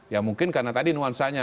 ya mungkin karena tadi nuansanya